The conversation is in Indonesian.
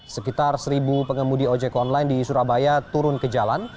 sekitar seribu pengemudi ojek online di surabaya turun ke jalan